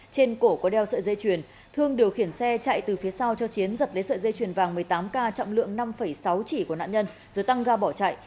trên cổ có đeo sợi dây chuyền thương điều khiển xe chạy từ phía sau cho chiến giật lấy sợi dây chuyền vàng một mươi tám k trọng lượng năm sáu chỉ của nạn nhân rồi tăng ga bỏ chạy